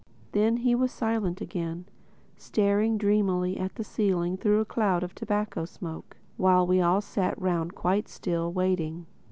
Then he was silent again, staring dreamily at the ceiling through a cloud of tobacco smoke; while we all sat round quite still, waiting.